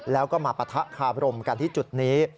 แล้วก็มาปะทะคาบรมกันที่จุดนี้